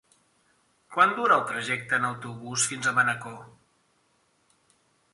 Quant dura el trajecte en autobús fins a Manacor?